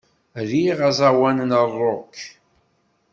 Riɣ aẓawan n rock.